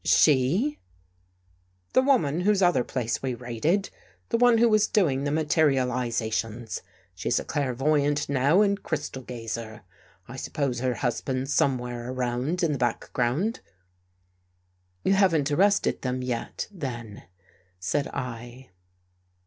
'' She?" " The woman whose other place we raided — the one who was doing the materializations. She's a clairvoyant now and crystal gazer. I suppose her husband's somewhere around in the background." " You haven't arrested them yet, then," said 1.